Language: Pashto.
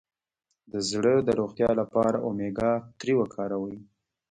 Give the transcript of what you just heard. د زړه د روغتیا لپاره اومیګا تري وکاروئ